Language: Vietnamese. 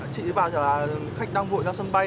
chị bảo là khách đang vội ra sân bay